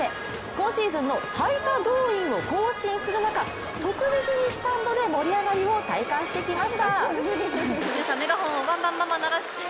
今シーズンの最多動員を更新する中、特別にスタンドで盛り上がりを体感してきました。